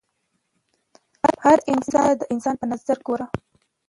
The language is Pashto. هر انسان ته د انسان په نظر ګوره